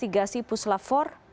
gasi puslap empat